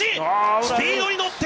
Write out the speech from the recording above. スピードに乗って。